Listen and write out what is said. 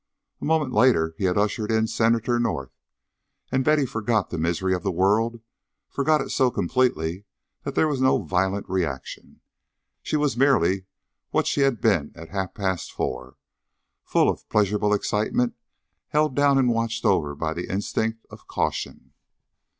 A moment later he had ushered in Senator North, and Betty forgot the misery of the world, forgot it so completely that there was no violent reaction; she was merely what she had been at half past four, full of pleasurable excitement held down and watched over by the instinct of caution.